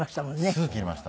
すぐ切れました。